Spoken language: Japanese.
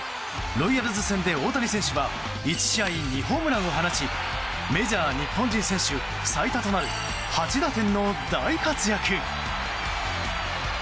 ロイヤルズ戦で大谷選手は１試合２ホームランを放ちメジャー日本人選手最多となる８打点の大活躍。